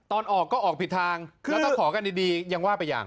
ตอนออกก็ออกผิดทางแล้วถ้าขอกันดียังว่าไปอย่าง